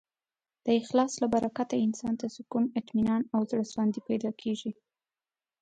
د اخلاص له برکته انسان ته سکون، اطمینان او زړهسواندی پیدا کېږي.